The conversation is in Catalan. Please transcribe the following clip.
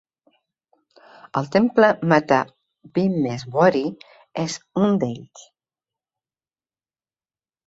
El temple Mata Bhimeshwari és un d'ells.